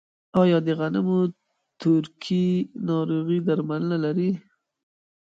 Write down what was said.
آیا د غنمو تورکي ناروغي درملنه لري؟